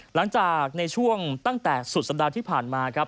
หลังจากในช่วงตั้งแต่สุดสัปดาห์ที่ผ่านมาครับ